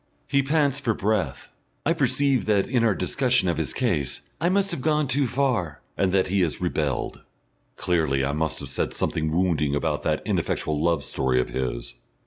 He pants for breath. I perceive that in our discussion of his case I must have gone too far, and that he has rebelled. Clearly I must have said something wounding about that ineffectual love story of his.